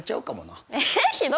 えっひどくない？